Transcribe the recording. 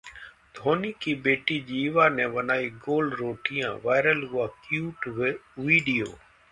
धोनी की बेटी जीवा ने बनाई गोल रोटियां, वायरल हुआ क्यूट वीडियो